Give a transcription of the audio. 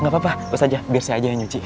nggak apa apa ustaz jah biar saya aja yang nyuci